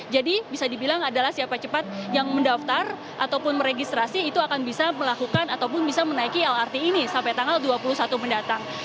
jadi bisa dibilang adalah siapa cepat yang mendaftar ataupun meregistrasi itu akan bisa melakukan ataupun bisa menaiki lrt ini sampai tanggal dua puluh satu mendatang